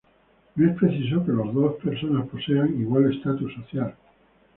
No es preciso que las dos personas posean igual estatus social.